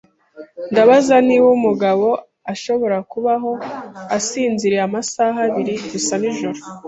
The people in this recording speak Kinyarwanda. Ndabaza niba umugabo ashobora kubaho asinziriye amasaha abiri gusa nijoro.